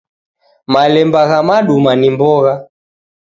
Malemba gha maduma ni mbogha.